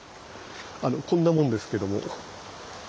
こんなもんですけども。